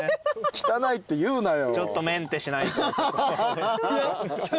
汚いって言うなよ。